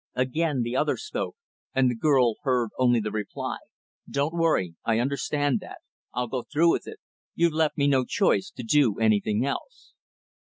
Again, the other spoke, and the girl heard only the reply; "Don't worry; I understand that. I'll go through with it. You've left me no chance to do anything else."